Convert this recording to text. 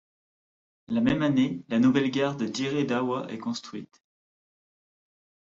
La même année, la nouvelle gare de Dire Dawa est construite.